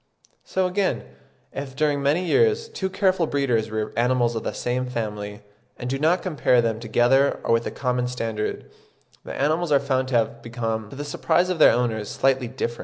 So again, if during many years two careful breeders rear animals of the same family, and do not compare them together or with a common standard, the animals are found to have become, to the surprise of their owners, slightly different.